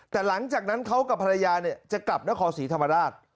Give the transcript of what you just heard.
แต่หลังจากนั้นเขากับภรรยาจะกลับนครศรีธรรมราช